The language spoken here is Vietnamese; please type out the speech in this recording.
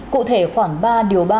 cụ thể khoảng ba điều ba